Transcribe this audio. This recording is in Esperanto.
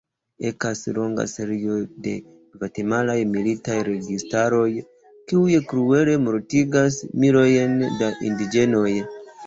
Ekas longa serio de gvatemalaj militaj registaroj, kiuj kruele mortigas milojn da indiĝenoj.